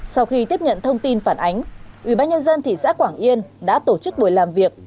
sau khi tiếp nhận thông tin phản ánh ủy ban nhân dân thị xã quảng yên đã tổ chức buổi làm việc